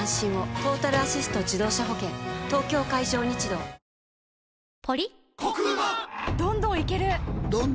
トータルアシスト自動車保険東京海上日動週末が！！